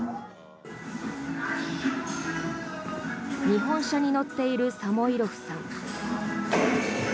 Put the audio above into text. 日本車に乗っているサモイロフさん。